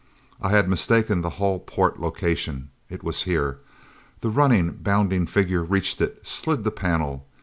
I had mistaken the hull port location. It was here. The running, bounding figure reached it, slid the panel.